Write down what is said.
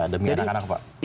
demi anak anak pak